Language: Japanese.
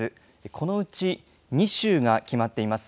このうち２州が決まっています。